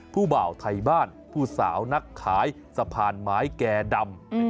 บ่าวไทยบ้านผู้สาวนักขายสะพานไม้แก่ดำ